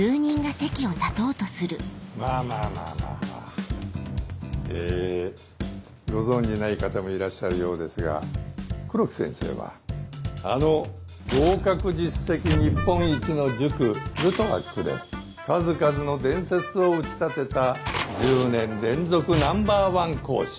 まぁまぁまぁ。えご存じない方もいらっしゃるようですが黒木先生はあの合格実績日本一の塾ルトワックで数々の伝説を打ち立てた１０年連続Ｎｏ．１講師。